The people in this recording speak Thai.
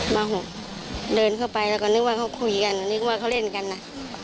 ๖เดินเข้าไปแล้วก็นึกว่าเขาคุยกันนึกว่าเขาเล่นกันนะ